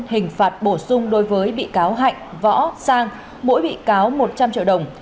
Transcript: hình phạt bổ sung đối với bị cáo hạnh võ sang mỗi bị cáo một trăm linh triệu đồng